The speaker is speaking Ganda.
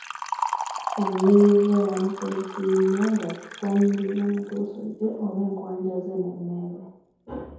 Omuyiiyizwa ayanukula ekiyiiye ng’akikwanyiriza mituuso gye oba enkwajja ze n'emmeeme.